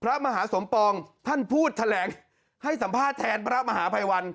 พระมหาสมปองท่านพูดแถลงให้สัมภาษณ์แทนพระมหาภัยวัน